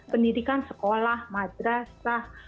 pendidikan sekolah madras